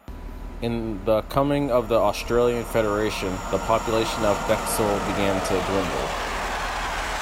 In the coming of the Australian federation the population of Bexhill began to dwindle.